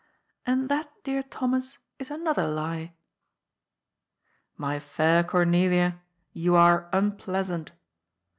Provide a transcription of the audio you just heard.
" And that, dear Thomas, is another lie." " My fair Cornelia, you are unpleasant.